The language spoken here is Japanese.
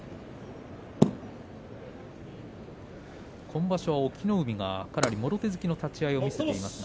今場所、隠岐の海が、かなりもろ手突きの立ち合いを見せています。